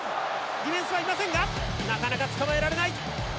ディフェンスはいませんがなかなか捕まえられない。